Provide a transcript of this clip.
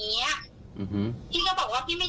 แล้วเขาก็ขี่มอเตอร์ไซค์กลับไปที่บ้าน